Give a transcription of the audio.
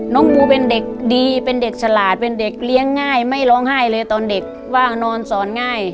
ปูเป็นเด็กดีเป็นเด็กฉลาดเป็นเด็กเลี้ยงง่ายไม่ร้องไห้เลยตอนเด็กว่างนอนสอนง่าย